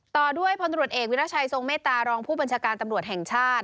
ต่อด้วยพลตรวจเอกวิรัชัยทรงเมตตารองผู้บัญชาการตำรวจแห่งชาติ